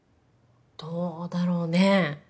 どうだろうね。